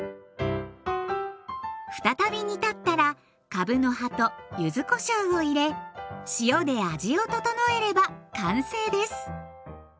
再び煮立ったらかぶの葉と柚子こしょうを入れ塩で味を調えれば完成です。